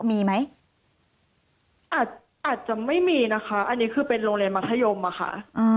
มีไหมอาจจะไม่มีนะคะอันนี้คือเป็นโรงเรียนมัธยมอะค่ะ